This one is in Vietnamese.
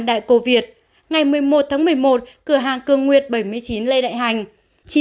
đại cổ việt ngày một mươi một tháng một mươi một cửa hàng cường nguyệt bảy mươi chín lê đại hành